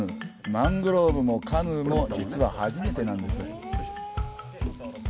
マングローブもカヌーも実は初めてなんです。